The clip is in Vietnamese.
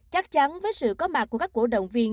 chắc chắn với sự có mặt của các cổ động viên